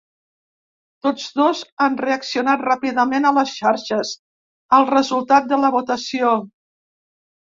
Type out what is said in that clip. Tots dos han reaccionat ràpidament a les xarxes al resultat de la votació.